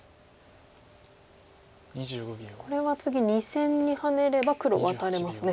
これは次２線にハネれば黒ワタれますね。